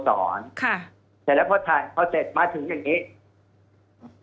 ค่ะเสร็จแล้วพอถ่ายพอเสร็จมาถึงอย่างงี้อืม